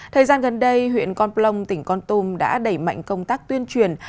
thời gian gần đây huyện con plông tỉnh con tôm đã đẩy mạnh công tác tuyên truyền